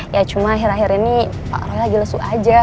ya cuma akhir akhir ini pak roy lagi lesu aja